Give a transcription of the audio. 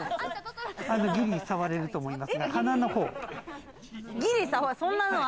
ギリ触れると思います。